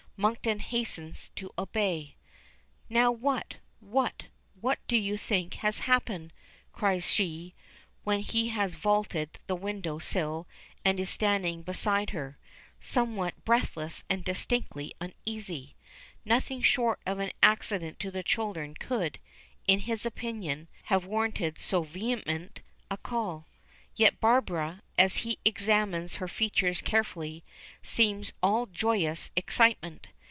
Monkton hastens to obey. "Now, what what what do you think has happened?" cries she, when he has vaulted the window sill and is standing beside her, somewhat breathless and distinctly uneasy. Nothing short of an accident to the children could, in his opinion, have warranted so vehement a call. Yet Barbara, as he examines her features carefully, seems all joyous excitement.